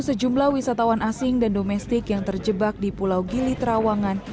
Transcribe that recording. sejumlah wisatawan asing dan domestik yang terjebak di pulau gili terawangan